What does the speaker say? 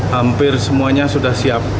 hampir semuanya sudah siap